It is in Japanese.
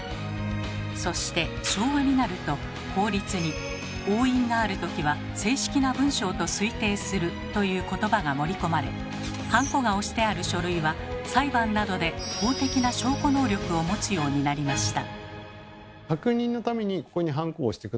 そして昭和になると法律に「押印があるときは正式な文章と推定する」という言葉が盛り込まれハンコが押してある書類は裁判などで法的な証拠能力を持つようになりました。